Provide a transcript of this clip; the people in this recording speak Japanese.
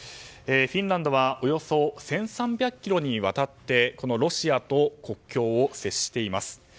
フィンランドはおよそ１３００ｋｍにわたってロシアと国境を接しています。